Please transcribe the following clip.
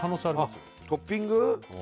あっトッピング？